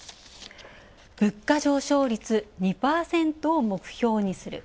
物価上昇率２％を目標にする。